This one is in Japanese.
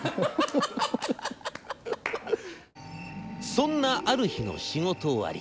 「そんなある日の仕事終わり。